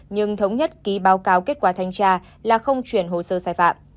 nhưng thống nhất ký báo cáo kết quả thanh tra là không chuyển hồ sơ sai phạm